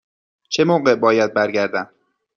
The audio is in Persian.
چه موقع باید برگردم؟